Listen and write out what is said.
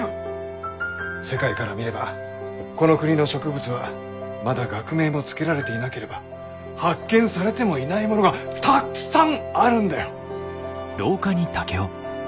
世界から見ればこの国の植物はまだ学名も付けられていなければ発見されてもいないものがたっくさんあるんだよ！